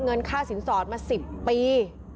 เงินค่าสินสอดมา๑๐ปี